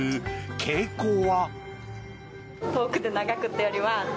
傾向は。